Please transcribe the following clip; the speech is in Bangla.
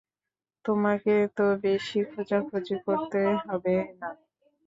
তোমাকে তো বেশি খোঁজাখুঁজি করতে হবে না।